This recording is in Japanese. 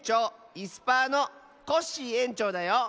いすパーのコッシーえんちょうだよ。